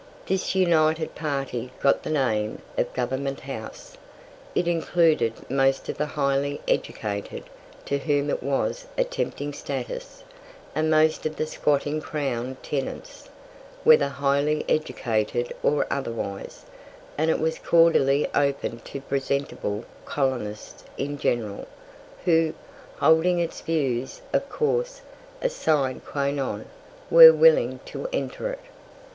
This united party got the name of "Government House." It included most of the highly educated, to whom it was a tempting status, and most of the squatting Crown tenants, whether highly educated or otherwise; and it was cordially open to "presentable" colonists in general, who, holding its views of course a sine qua non were willing to enter it.